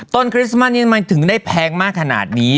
คริสต์มัสนี้มันถึงได้แพงมากขนาดนี้